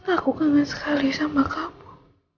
aku kangen sekali sama kamu